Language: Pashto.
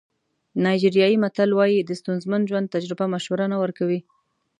نایجیریایي متل وایي د ستونزمن ژوند تجربه مشوره نه ورکوي.